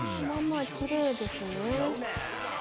ママきれいですね。